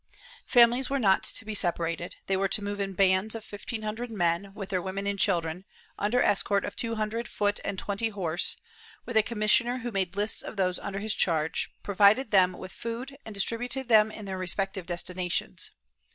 Families were not to be separated; they were to move in bands of fifteen hundred men, with their women and children, under escort of two hundred foot and twenty horse, with a commissioner who made lists of those under his charge, provided them with food and distributed them in their respective destinations.